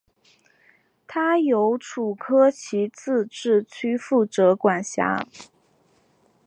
它由楚科奇自治区负责管辖。